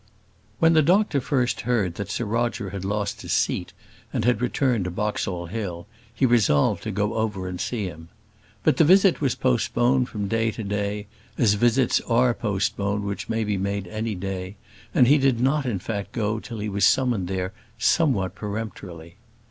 When the doctor first heard that Sir Roger had lost his seat, and had returned to Boxall Hill, he resolved to go over and see him. But the visit was postponed from day to day, as visits are postponed which may be made any day, and he did not in fact go till he was summoned there somewhat peremptorily.